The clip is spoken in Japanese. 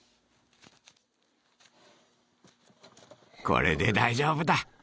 これで大丈夫だ。